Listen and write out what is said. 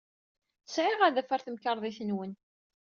Sɛiɣ adaf ɣer temkarḍit-nwen.